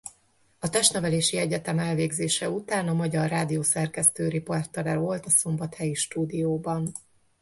A Testnevelési Egyetemen elvégzése után a Magyar Rádió szerkesztő-riportere volt a szombathelyi stúdióban.